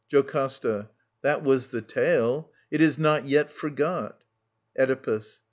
JOCASTA. That was the tale. It is not yet forgot. Oedipus.